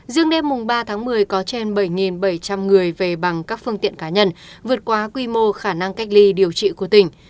riêng đêm ba tháng một mươi có trên bảy bảy trăm linh người về bằng các phương tiện cá nhân vượt quá quy mô khả năng cách ly điều trị của tỉnh